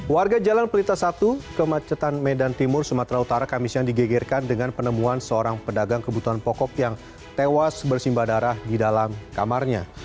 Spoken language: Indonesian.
warga jalan pelita satu kemacetan medan timur sumatera utara kamis yang digegerkan dengan penemuan seorang pedagang kebutuhan pokok yang tewas bersimbah darah di dalam kamarnya